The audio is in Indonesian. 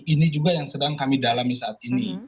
ini juga yang sedang kami dalami saat ini